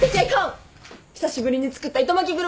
久しぶりに作った糸まき車ぞ！